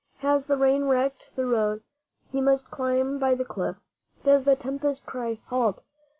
Has the rain wrecked the road? He must climb by the cliff. Does the tempest cry 'halt'?